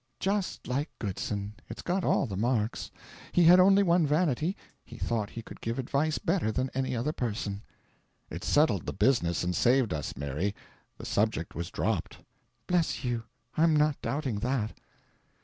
"Just like Goodson; it's got all the marks. He had only one vanity; he thought he could give advice better than any other person." "It settled the business, and saved us, Mary. The subject was dropped." "Bless you, I'm not doubting THAT."